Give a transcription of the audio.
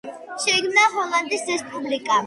შეიქმნა ჰოლანდიის რესპუბლიკა.